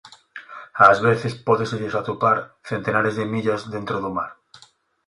Ás veces pódeselles atopar centenares de millas dentro do mar.